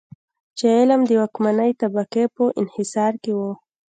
چې علم د واکمنې طبقې په انحصار کې و.